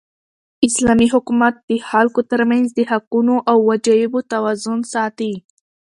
اسلامي حکومت د خلکو تر منځ د حقونو او وجایبو توازن ساتي.